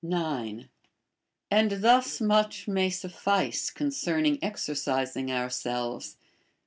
9. And thus much mav suffice concernino• exercisinir ourselves.